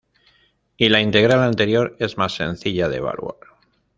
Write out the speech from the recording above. Y la integral anterior es más sencilla de evaluar.